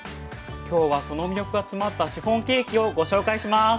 今日はその魅力が詰まったシフォンケーキをご紹介します。